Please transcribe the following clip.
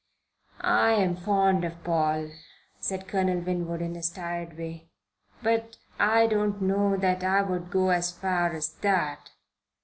"I'm fond of Paul," said Colonel Winwood, in his tired way, "but I don't know that I would go as far as that."